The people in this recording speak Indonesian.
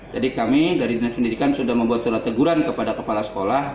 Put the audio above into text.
jadi kami dari dinas pendidikan sudah membuat surat teguran kepada kepala sekolah